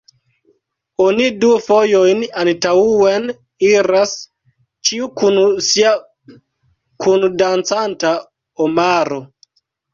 Oni du fojojn antaŭen iras, ĉiu kun sia kundancanta omaro.